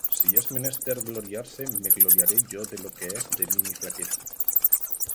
Si es menester gloriarse, me gloriaré yo de lo que es de mi flaqueza.